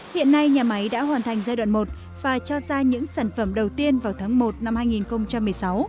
hiện nay nhà máy đã hoàn thành giai đoạn một và cho ra những sản phẩm đầu tiên vào tháng một năm hai nghìn một mươi sáu